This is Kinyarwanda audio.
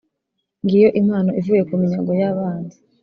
ngiyo impano ivuye ku minyago y abanzi